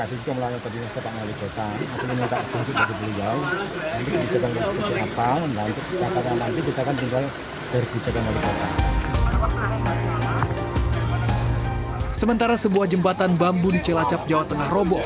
sementara sebuah jembatan bambun celacap jawa tengah robo